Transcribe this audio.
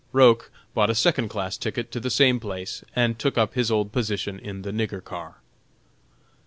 Roch bought a second class ticket to the same place, and took up his old position in the "nigger car."